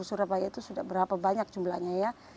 surabaya itu sudah berapa banyak jumlahnya ya